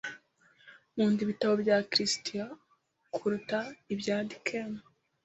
Nkunda ibitabo bya Christie kuruta ibya Dickens.